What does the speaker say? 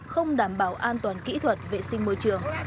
không đảm bảo an toàn kỹ thuật vệ sinh môi trường